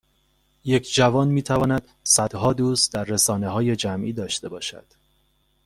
یک جوان میتواند صدها دوست در رسانههای جمعی داشته باشد